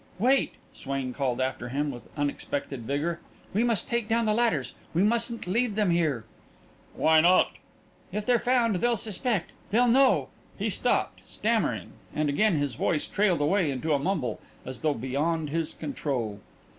"Wait!" Swain called after him, with unexpected vigour. "We must take down the ladders. We mustn't leave them here." "Why not?" "If they're found, they'll suspect they'll know ..." He stopped, stammering, and again his voice trailed away into a mumble, as though beyond his control.